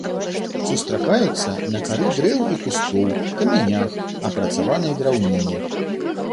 Сустракаюцца на кары дрэў і кустоў, камянях, апрацаванай драўніне.